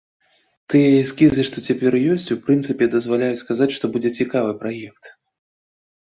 Тыя эскізы, якія цяпер ёсць, у прынцыпе, дазваляюць казаць, што будзе цікавы праект.